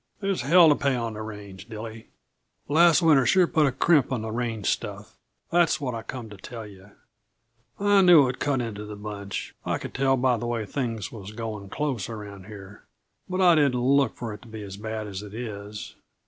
There's hell to pay on the range, Dilly. Last winter sure put a crimp in the range stuff that's what I come to tell yuh. I knew it would cut into the bunch. I could tell by the way things was going close around here but I didn't look for it to be as bad as it is.